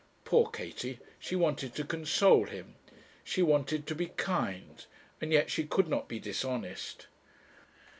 Poor Katie! she wanted to console him, she wanted to be kind, and yet she could not be dishonest.